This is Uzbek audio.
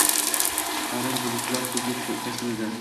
Harir bulutlar ko’zga tashlanadi.